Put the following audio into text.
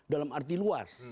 dalam arti luas